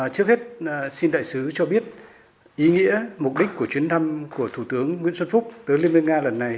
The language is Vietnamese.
trước hết xin đại sứ cho biết ý nghĩa mục đích của chuyến thăm của thủ tướng nguyễn xuân phúc tới liên bang nga lần này